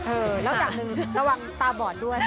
เออแล้วก็อย่างนึงระวังตาบอดด้วย